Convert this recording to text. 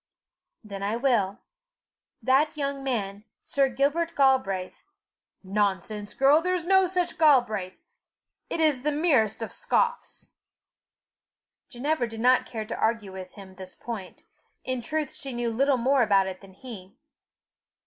"Then I will: that young man, Sir Gilbert Galbraith, " "Nonsense, girl! there is no such Galbraith. It is the merest of scoffs." Ginevra did not care to argue with him this point. In truth she knew little more about it than he.